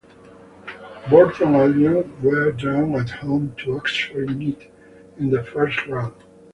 Burton Albion were drawn at home to Oxford United in the first round.